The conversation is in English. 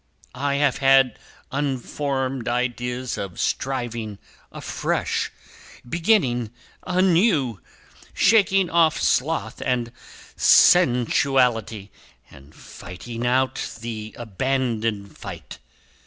I have had unformed ideas of striving afresh, beginning anew, shaking off sloth and sensuality, and fighting out the abandoned fight.